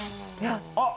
あっ